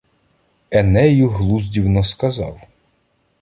Енею глуздівно сказав: